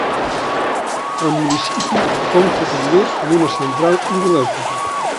El municipi compta també amb una central hidroelèctrica.